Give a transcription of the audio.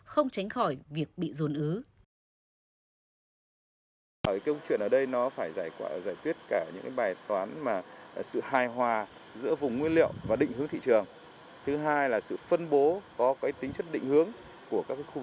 không tránh khỏi việc bị dồn ứ